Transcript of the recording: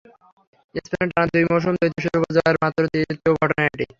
স্পেনে টানা দুই মৌসুমে দ্বৈত শিরোপা জয়ের মাত্র তৃতীয় ঘটনা এটি।